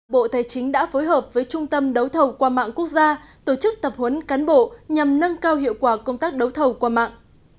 bộ tài chính đã phối hợp với trung tâm đấu thầu qua mạng quốc gia tổ chức tập huấn cán bộ nhằm nâng cao hiệu quả công tác đấu thầu qua mạng